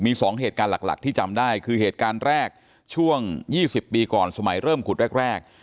มี๒เหตุการณ์หลักที่จำได้คือเหตุการณ์แรกช่วง๒๐ปีก่อนสมัยเริ่มขุดแรก